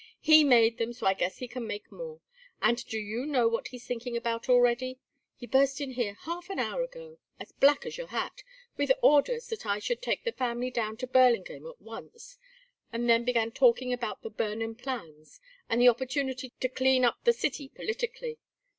"He made them, so I guess he can make more. And do you know what he's thinking about already? He burst in here half an hour ago as black as your hat with orders that I should take the family down to Burlingame at once, and then began talking about the Burnham plans, and the opportunity to clean up the city politically.